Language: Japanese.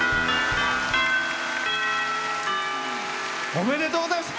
おめでとうございます。